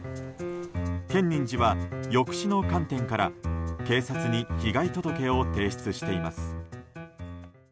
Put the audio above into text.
建仁寺は抑止の観点から警察に被害届を提出しています。